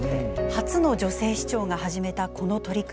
初の女性市長が始めたこの取り組み。